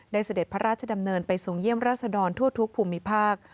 เสด็จพระราชดำเนินไปทรงเยี่ยมราชดรทั่วทุกภูมิภาค